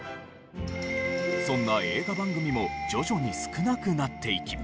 そんな映画番組も徐々に少なくなっていき。